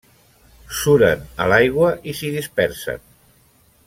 Suren a l'aigua i s'hi dispersen.